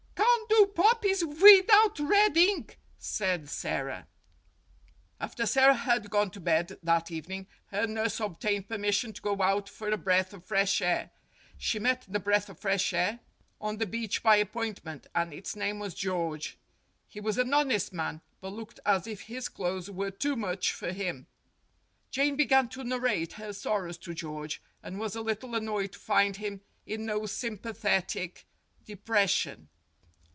"Can't do poppies wivout red ink," said Sara. After Sara had gone to bed that evening, her nurse obtained permission to go out for a breath of fresh air. She met the breath of fresh air on the beach by appointment, and its name was George. He was an honest man, but looked as if his clothes were too much for him. Jane began to narrate her sorrows to George, and was a little annoyed to find him in no sympathetic depression.